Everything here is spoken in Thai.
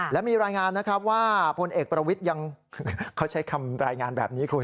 และมีรายงานนะครับว่าพลเอกประวิทย์ยังเขาใช้คำรายงานแบบนี้คุณ